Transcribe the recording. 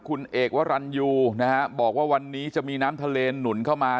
คุณเอกวรรณยูนะฮะบอกว่าวันนี้จะมีน้ำทะเลหนุนเข้ามา